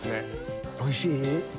おいしい？